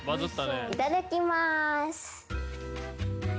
いただきまーす。